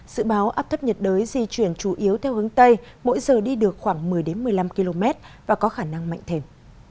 dự báo áp thấp nhiệt đới di chuyển chủ yếu theo hướng tây mỗi giờ đi được khoảng một mươi một mươi năm km và có khả năng mạnh thêm